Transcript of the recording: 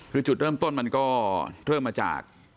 คือจุดเริ่มต้นมันก็เริ่มมาจาก